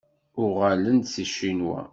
Uɣalen-d seg Ccinwa.